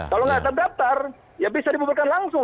kalau tidak terdaftar bisa dibubarkan langsung